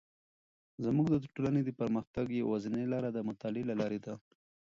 زموږ د ټولنې د پرمختګ یوازینی لاره د مطالعې له لارې ده.